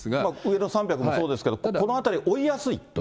上の３００もそうですけど、このあたり、追いやすいと。